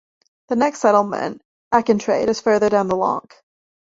The next settlement, Achintraid, is further down the loch.